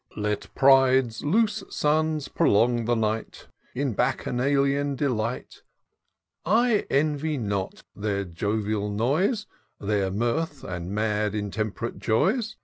" Let Pride's loose sons prolong the night In Bacchanalian delight; I envy not their jovial noise, Their mirth, and mad intemp'rate joys.